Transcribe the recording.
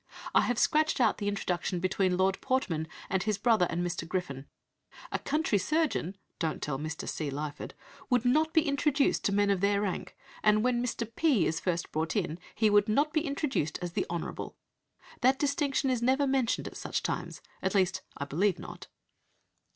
I have scratched out the introduction between Lord Portman and his brother and Mr. Griffin. A country surgeon (don't tell Mr. C. Lyford) would not be introduced to men of their rank, and when Mr. P. is first brought in, he would not be introduced as the Honourable. That distinction is never mentioned at such times, at least I believe not."